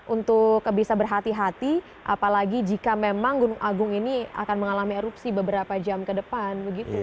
untuk bisa berhati hati apalagi jika memang gunung agung ini akan mengalami erupsi beberapa jam ke depan